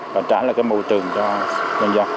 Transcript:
và trả lại cái môi trường cho dân dân